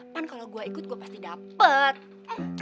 pan kalau gue ikut gue pasti dapat